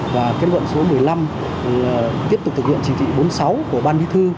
và kết luận số một mươi năm tiếp tục thực hiện chỉ thị bốn mươi sáu của ban bí thư